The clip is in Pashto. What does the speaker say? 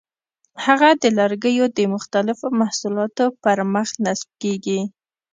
هغه د لرګیو د مختلفو محصولاتو پر مخ نصب کېږي.